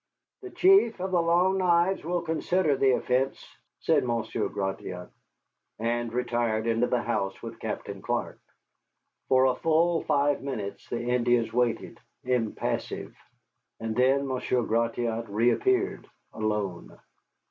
"The Chief of the Long Knives will consider the offence," said Monsieur Gratiot, and retired into the house with Colonel Clark. For a full five minutes the Indians waited, impassive. And then Monsieur Gratiot reappeared, alone.